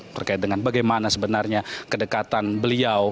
terkait dengan bagaimana sebenarnya kedekatan beliau